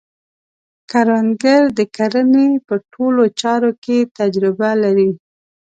کروندګر د کرنې په ټولو چارو کې تجربه لري